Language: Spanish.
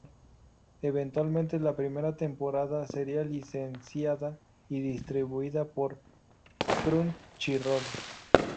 Eventualmente la primera temporada sería licenciada y distribuida por Crunchyroll.